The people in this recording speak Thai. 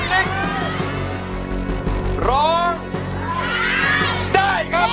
เพื่อร้องได้ให้ร้าง